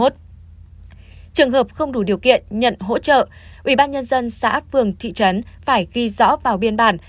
trường hợp không đủ điều kiện nhận hỗ trợ ubnd xã phường thị trấn phải ghi rõ vào biên bản